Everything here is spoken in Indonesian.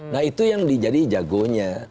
nah itu yang jadi jagonya